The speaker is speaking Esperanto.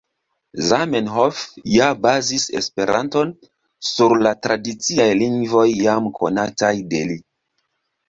Zamenhof ja bazis Esperanton sur la tradiciaj lingvoj jam konataj de li.